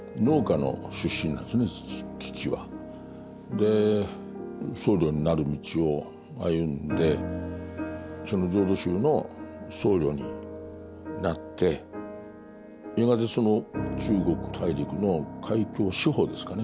で僧侶になる道を歩んで浄土宗の僧侶になってやがて中国大陸の開教師補ですかね